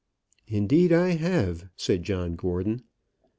"Indeed I have," said John Gordon.